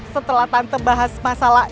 setelah tante bahas masalah